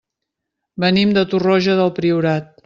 Venim de Torroja del Priorat.